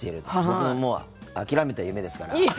僕も諦めた夢ですから。